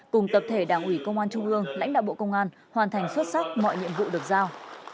cùng tập thể đảng ủy công an trung ương lãnh đạo bộ công an hoàn thành xuất sắc mọi nhiệm vụ được giao